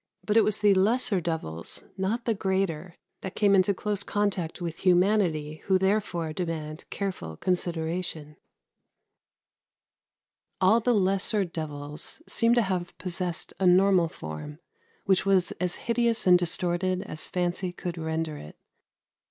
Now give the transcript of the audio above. " But it was the lesser devils, not the greater, that came into close contact with humanity, who therefore demand careful consideration. [Footnote 1: p. 361.] 40. All the lesser devils seem to have possessed a normal form, which was as hideous and distorted as fancy could render it.